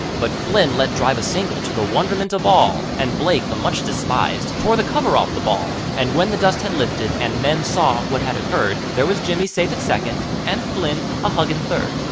But Flynn let drive a single, to the wonderment of all, And Blake, the much despised, tore the cover off the ball, And when the dust had lifted and men saw what had occurred, There was Jimmy safe at second, and Flynn a huggin' third.